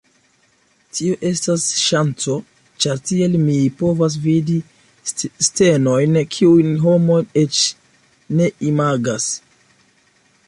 Tio estas ŝanco ĉar, tiel, mi povas vidi scenojn kiujn homojn eĉ ne imagas.